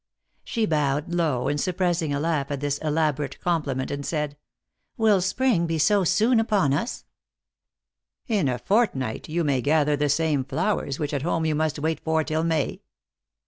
She bowed low, in suppressing a laugh at this elaborate compliment, and said, " Will spring be so soon upon us ?"" In a fortnight you may gather the same flowers which at home you must wait for till May."